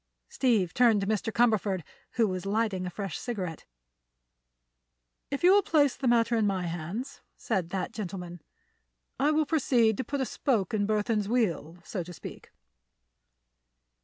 Steve turned to Mr. Cumberford, who was lighting a fresh cigarette. "If you will place the matter in my hands," said that gentleman, "I will proceed to put a spoke in Burthon's wheel, so to speak.